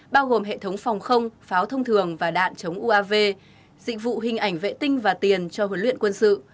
bao gồm hệ thống phòng không pháo thông thường và đạn chống uav dịch vụ hình ảnh vệ tinh và tiền cho huấn luyện quân sự